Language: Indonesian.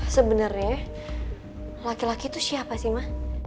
sebenarnya laki laki itu siapa sih ma